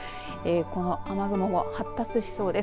この雨雲も発達しそうです。